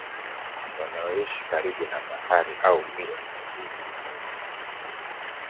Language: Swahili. Wanaoishi karibu na bahari au mito mikubwa mara nyingi ni wavuvi.